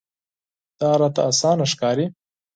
دا راته اسانه ښکاري.